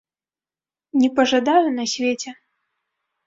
Не пажадаю на свеце.